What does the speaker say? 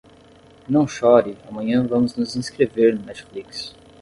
Não chore, amanhã vamos nos inscrever no Netflix.